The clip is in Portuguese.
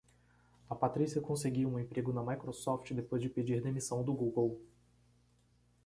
A Patrícia conseguiu um emprego na Microsoft depois de pedir demissão do Google.